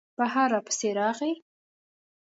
بهر را پسې راغی.